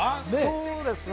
そうですね